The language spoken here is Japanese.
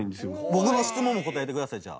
僕の質問も答えてくださいじゃあ。